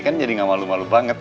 kan jadi gak malu malu banget